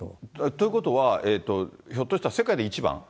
ということは、ひょっとしたら世界で一番？